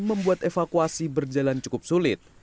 membuat evakuasi berjalan cukup sulit